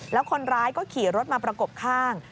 แล้วคนร้ายก็ขี่รถมาประกบข้าง